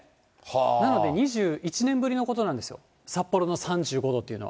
なので２１年ぶりのことなんですよ、札幌の３５度っていうのは。